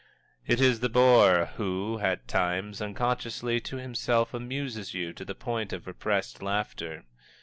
It is the bore who, at times, unconsciously to himself, amuses you to the point of repressed laughter.